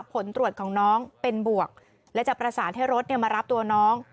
ผลตรวจของน้องเป็นบวกและจะประสานให้รถมารับตัวน้อง